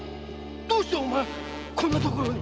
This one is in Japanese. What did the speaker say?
どうしてお前こんな所に？